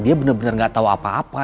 dia bener bener nggak tahu apa apa